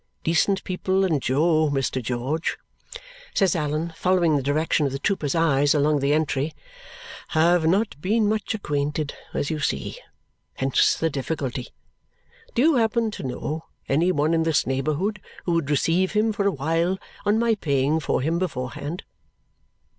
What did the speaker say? Decent people and Jo, Mr. George," says Allan, following the direction of the trooper's eyes along the entry, "have not been much acquainted, as you see. Hence the difficulty. Do you happen to know any one in this neighbourhood who would receive him for a while on my paying for him beforehand?"